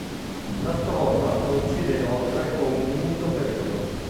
La strofa coincide inoltre con un unico periodo.